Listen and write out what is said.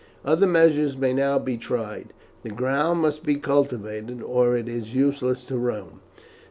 Other measures may now be tried; the ground must be cultivated, or it is useless to Rome.